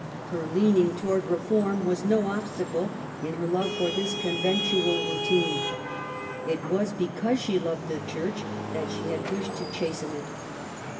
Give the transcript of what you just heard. Her leaning towards reform was no obstacle in her love for this conventual routine. It was because she loved the Church that she had wished to chasten it.